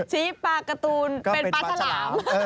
ชี้ปลาการ์ตูนเป็นปลาฉลาม